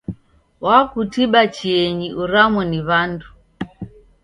Wakutiba chienyi uramo ni w'andu?